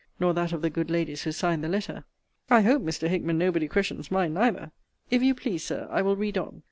nor that of the good Ladies who signed the letter. I hope, Mr. Hickman, nobody questions mine neither? If you please, Sir, I will read on.